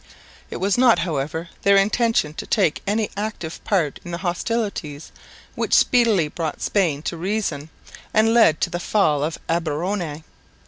It was not, however, their intention to take any active part in the hostilities which speedily brought Spain to reason, and led to the fall of Alberoni.